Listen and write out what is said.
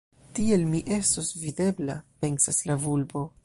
“Tiel, mi estos videbla!” pensas la vulpo.